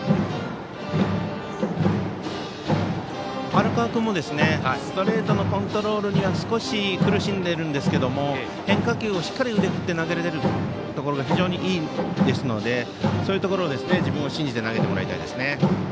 荒川君もストレートのコントロールには少し苦しんでいるんですけれども変化球をしっかり腕を振って投げているところが非常にいいですのでそういうところを、自分を信じて投げてもらいたいですね。